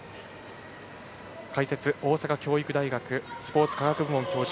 解説、大阪教育大学スポーツ科学部門教授